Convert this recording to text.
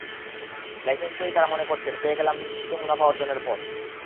Licence পেয়েই তাঁরা মনে করছেন পেয়ে গেলাম নিশ্চিত মুনাফা অর্জনের পথ।